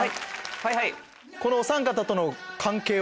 はいはい。